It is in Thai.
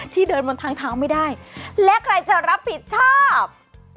เดินบนทางเท้าไม่ได้และใครจะรับผิดชอบ